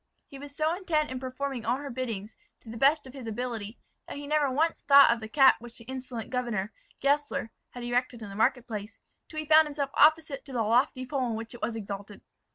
He was so intent in performing all her biddings, to the best of his ability, that he never once thought of the cap which the insolent governor, Gessler, had erected in the market place, till he found himself opposite to the lofty pole on which it was exalted.